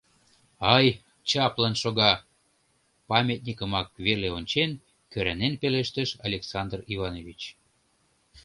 — Ай, чаплын шога! — памятникымак веле ончен, кӧранен пелештыш Александр Иванович.